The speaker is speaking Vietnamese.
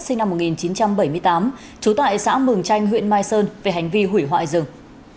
sinh năm một nghìn chín trăm bảy mươi tám trú tại xã mường chanh huyện mai sơn về hành vi hủy hoại rừng